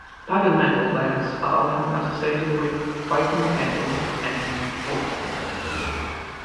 Pagan metal bands are often associated with Viking metal and folk metal.